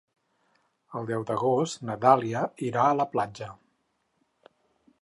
El deu d'agost na Dàlia irà a la platja.